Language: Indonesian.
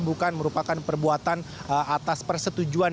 bukan merupakan perbuatan atas persetujuan